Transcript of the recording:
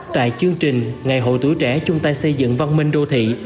tại chương trình ngày hội tuổi trẻ chúng ta xây dựng văn minh đô thị